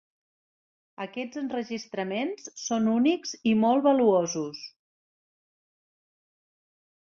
Aquests enregistraments són únics i molt valuosos.